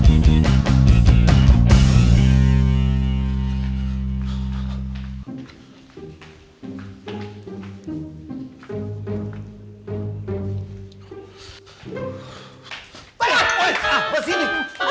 eh apa sih ini